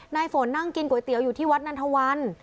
ฝนนั่งกินก๋วยเตี๋ยวอยู่ที่วัดนันทวัน